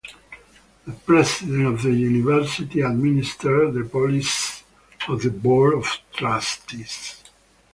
The president of the university administers the policies of the Board of Trustees.